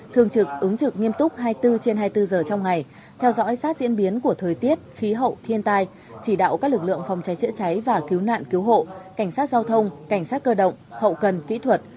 thường trực ứng trực nghiêm túc hai mươi bốn trên hai mươi bốn giờ trong ngày theo dõi sát diễn biến của thời tiết khí hậu thiên tai chỉ đạo các lực lượng phòng cháy chữa cháy và cứu nạn cứu hộ cảnh sát giao thông cảnh sát cơ động hậu cần kỹ thuật